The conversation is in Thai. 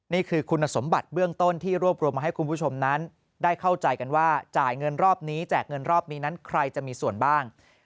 นี่คือคุณสมบัติเบื้องต้นที่รวบรวมมาให้คุณผู้ชมนั้นได้เข้าใจกันว่าจ่ายเงินรอบนี้แจกเงินรอบนี้นั้นใครจะมีส่วนบ้าง